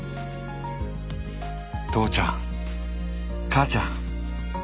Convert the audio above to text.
父ちゃん母ちゃん